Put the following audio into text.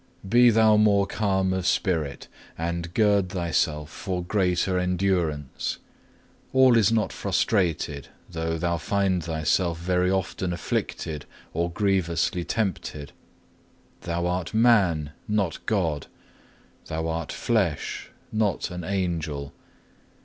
3. "Be thou more calm of spirit, and gird thyself for greater endurance. All is not frustrated, though thou find thyself very often afflicted or grievously tempted. Thou art man, not God; thou art flesh, not an angel.